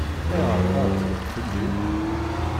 Ayɣer i tɛeṭṭlemt fell-i?